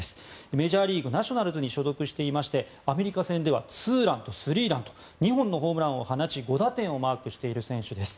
メジャーリーグナショナルズに所属していましてアメリカ戦ではツーランとスリーランと２本のホームランを放ち５打点をマークした選手です。